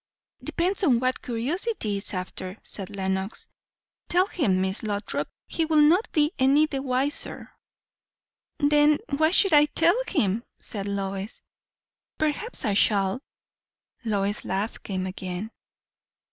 "Depends on what curiosity is after," said Lenox. "Tell him, Miss Lothrop; he will not be any the wiser." "Then why should I tell him?" said Lois. "Perhaps I shall!" Lois's laugh came again.